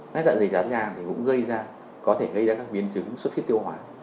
nát dạ dày thái tràn thì cũng gây ra có thể gây ra các biến chứng xuất huyết tiêu hóa